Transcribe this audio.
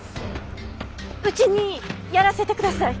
うちにやらせてください！